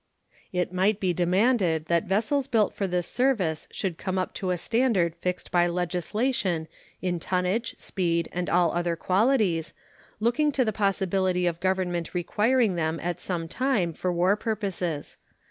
It might be demanded that vessels built for this service should come up to a standard fixed by legislation in tonnage, speed, and all other qualities, looking to the possibility of Government requiring them at some time for war purposes.